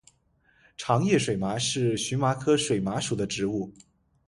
长叶水麻是荨麻科水麻属的植物。